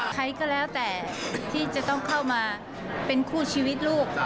ใครก็แล้วแต่ที่จะต้องเข้ามาเป็นคู่ชีวิตลูก